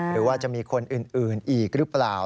หรือว่าจะมีคนอื่นอีกหรือเปล่า